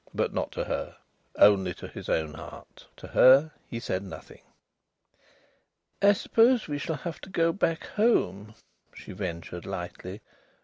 But not to her only to his own heart. To her he said nothing. "I suppose we shall have to go back home," she ventured lightly.